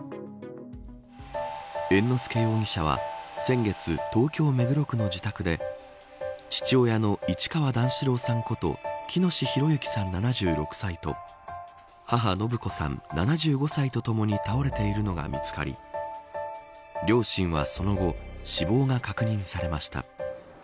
猿之助容疑者は先月東京、目黒区の自宅で父親の市川段四郎さんこと喜熨斗宏之さん、７６歳と母、延子さん７５歳とともに倒れているのが見つかり両親はその後死亡が確認されました。